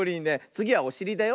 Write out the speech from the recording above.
つぎはおしりだよ。